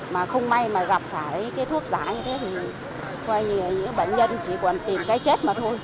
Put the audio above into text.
mà không may mà gặp phải cái thuốc giả như thế thì coi như là những bệnh nhân chỉ còn tìm cái chết mà thôi